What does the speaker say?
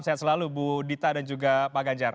sehat selalu bu dita dan juga pak ganjar